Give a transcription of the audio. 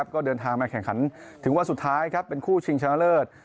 ก็เดินทางมาแข่งขันถึงวันสุดท้ายเป็นคู่ชิงชนะเลิศ